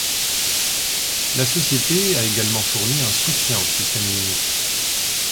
La société a également fourni un soutien aux systèmes Linux.